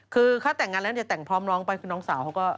คือถ้าแต่งงานแล้วเนี่ยแต่งพร้อมน้องไปคือน้องสาวเขาก็